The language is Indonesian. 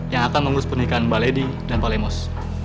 yang akan mengurus pernikahan mba ledy dan mba lemos